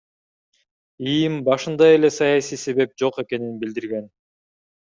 ИИМ башында эле саясий себеп жок экенин билдирген.